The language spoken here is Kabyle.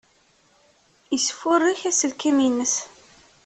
Yesfurek aselkim-nnes.